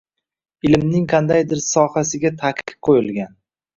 Ilmning qandaydir sohasiga taqiq qoʻyilgan.